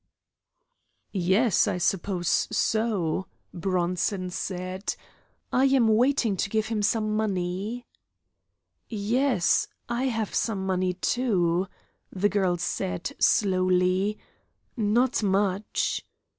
"Yes, I suppose so," Bronson said. "I am waiting to give him some money." "Yes? I have some money, too," the girl said, slowly. "Not much."